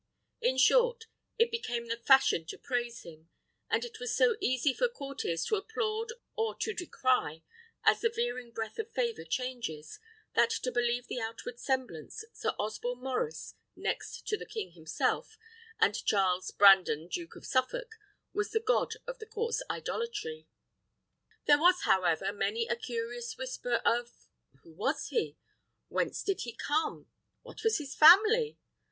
In short, it became the fashion to praise him; and it is so easy for courtiers to applaud or to decry, as the veering breath of favour changes, that to believe the outward semblance, Sir Osborne Maurice, next to the king himself, and Charles Brandon Duke of Suffolk, was the god of the court's idolatry. There was, however, many a curious whisper of Who was he? Whence did he come? What was his family?